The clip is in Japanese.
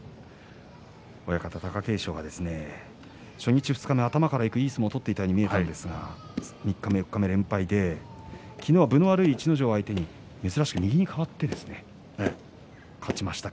親方、貴景勝が初日、二日目に頭からいく、いい相撲を見せていたと思うんですが三日目、四日目、連敗で昨日は逸ノ城相手に珍しく右に変わって勝ちました。